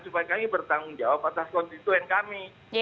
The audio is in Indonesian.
supaya kami bertanggung jawab atas konstituen kami